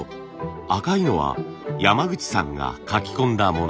赤いのは山口さんが書き込んだもの。